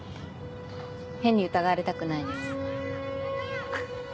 変に疑われたくないです。